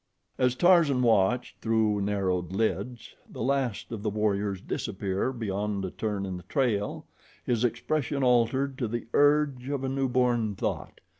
As Tarzan watched, through narrowed lids, the last of the warriors disappear beyond a turn in the trail, his expression altered to the urge of a newborn thought.